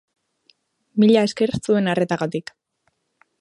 Mila esker zuen arretagatik.